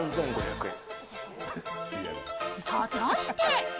果たして？